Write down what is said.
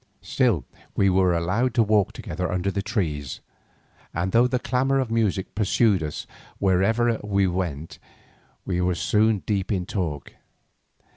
Still we were allowed to walk together under the trees, and though the clamour of music pursued us wherever we went, we were soon deep in talk.